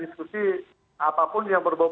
diskusi apapun yang berbohong